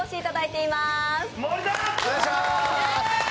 お願いします。